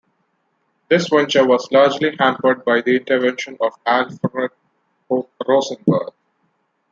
This venture was largely hampered by the intervention of Alfred Rosenberg.